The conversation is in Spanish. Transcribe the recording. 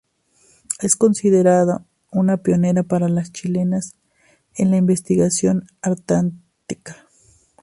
Es considerada una pionera para las chilenas en la investigación antártica.